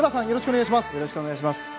よろしくお願いします。